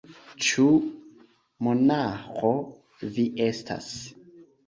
Ĉu monaĥo vi estas?